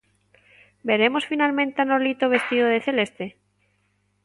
Veremos finalmente a Nolito vestido de celeste?